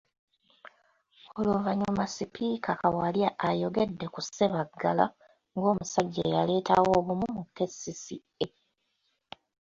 Oluvannyuma Sipiika Kawalya ayogedde ku Sebaggala ng'omusajja eyaleetawo obumu mu KCCA.